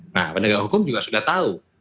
nah penegak hukum juga sudah tahu